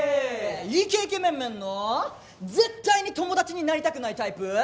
イケイケメンメンの絶対に友達になりたくないタイプ。